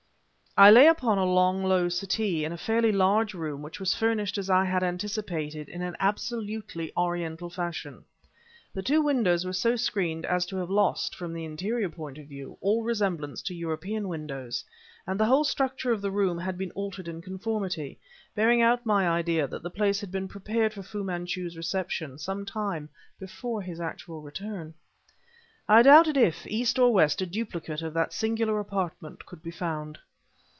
I lay upon a long low settee, in a fairly large room which was furnished as I had anticipated in an absolutely Oriental fashion. The two windows were so screened as to have lost, from the interior point of view, all resemblance to European windows, and the whole structure of the room had been altered in conformity, bearing out my idea that the place had been prepared for Fu Manchu's reception some time before his actual return. I doubt if, East or West, a duplicate of that singular apartment could be found.